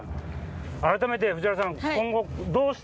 改めて藤原さん。